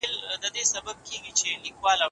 هیوادونه د ګډو پروژو په پلي کولو کي مرسته کوي.